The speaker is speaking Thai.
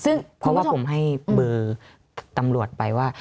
ซึ่งเพราะว่าผมให้เบอร์ตำรวจไปว่า